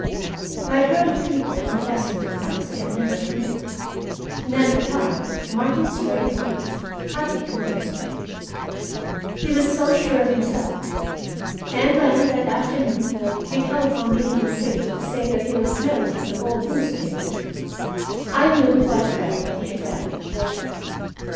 I had heard of people confessing to crimes they had never committed, and at the time Martin Sprague at least partly convinced me. He was so sure of himself. And when, that afternoon, he telephoned me from the city to say that he was mailing out some old newspapers, I knew quite well what he had found.